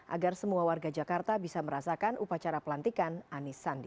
agar semua warga jakarta bisa merasakan upacara pelantikan anies sandi